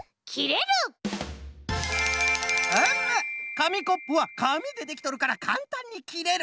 かみコップはかみでできとるからかんたんにきれる。